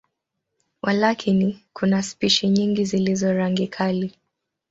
Walakini, kuna spishi nyingi zilizo rangi kali.